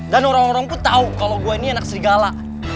dan orang orang pun tau kalo gue ini anak serigala